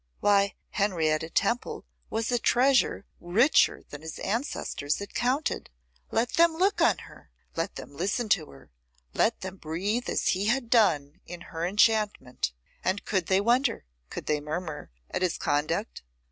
Why, Henrietta Temple was a treasure richer than any his ancestors had counted. Let them look on her, let them listen to her, let them breathe as he had done in her enchantment; and could they wonder, could they murmur, at his conduct?